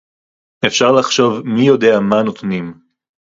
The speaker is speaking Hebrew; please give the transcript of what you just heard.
אפשר לחשוב מי-יודע-מה נותנים